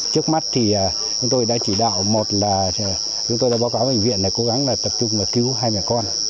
trước mắt thì chúng tôi đã chỉ đạo một là chúng tôi đã báo cáo bệnh viện cố gắng là tập trung cứu hai mẹ con